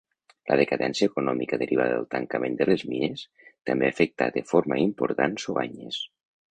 La decadència econòmica derivada del tancament de les mines també afectà de forma important Soanyes.